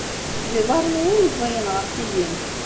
D iḍarren-iw i imeẓẓiyen ɣef wid-im.